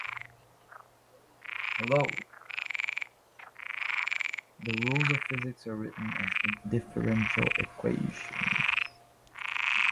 The rules of physics are written as differential equations.